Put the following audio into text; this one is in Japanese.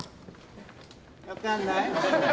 分かんない？